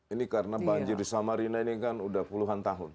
ini karena banjir di samarina ini kan udah puluhan tahun